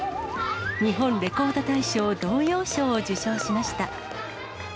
日本レコード大賞童謡賞を受賞しました。